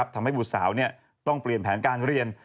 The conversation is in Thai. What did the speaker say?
ทำให้บุษาวต้องเปลี่ยนแผนการเรียน